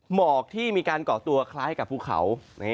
หมอกที่มีการก่อตัวคล้ายกับภูเขา